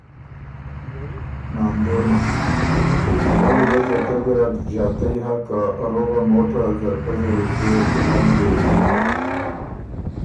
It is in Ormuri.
ناندونه: او يې ګۀ ځرکۀ ګیرډ ݫاتئ هۀ که روغه موټه ځرکۀ زر اِر دې ون زېوی